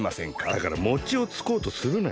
だから餅をつこうとするなよ。